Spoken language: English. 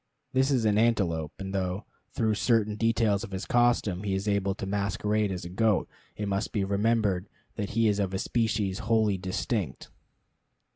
This is an antelope; and though, through certain details of his costume, he is able to masquerade as a goat, it must be remembered that he is of a species wholly distinct.